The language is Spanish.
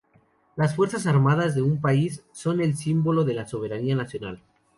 Las Fuerzas Armadas de un país, son el símbolo de la soberanía nacional.